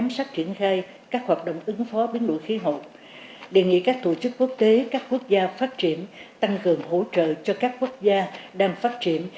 và các chủ tịch quốc tế các quốc gia phát triển tăng cường hỗ trợ cho các quốc gia đang phát triển